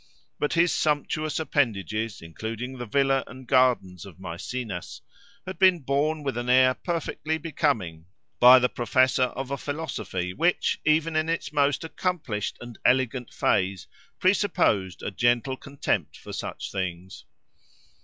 But his sumptuous appendages, including the villa and gardens of Maecenas, had been borne with an air perfectly becoming, by the professor of a philosophy which, even in its most accomplished and elegant phase, presupposed a gentle contempt for such things.